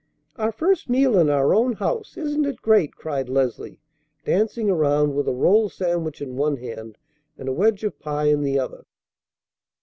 "Our first meal in our own house! Isn't it great?" cried Leslie, dancing around with a roll sandwich in one hand and a wedge of pie in the other.